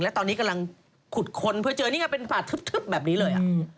และตอนนี้กำลังขุดค้นเพื่อเจอนี่ไงเป็นฝาดทึบแบบนี้เลย